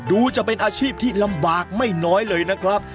รู้จะเป็นอาชีพที่ลำบากมากเลยนะครับ